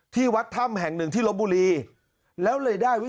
ที่วัดธรรมแห่งหนึ่งที่ลบบุรี